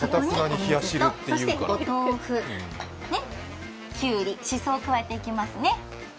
そしてお豆腐、きゅうり、しそを加えていきますね